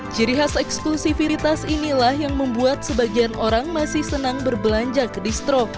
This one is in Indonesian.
ciri khas eksklusifitas inilah yang membuat sebagian orang masih senang berbelanja ke distro